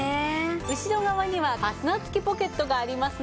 後ろ側にはファスナー付きポケットがありますので。